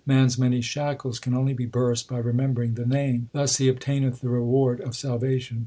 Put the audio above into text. Man s many shackles can only be burst By remembering the Name ; thus he obtaineth the reward of salvation.